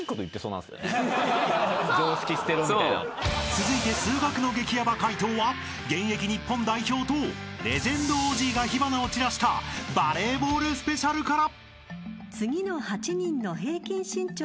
［続いて数学の激ヤバ解答は現役日本代表とレジェンドＯＧが火花を散らしたバレーボールスペシャルから］